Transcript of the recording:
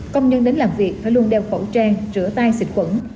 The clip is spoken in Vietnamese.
công nhân đến làm việc phải luôn đeo khẩu trang rửa tay xịt quẩn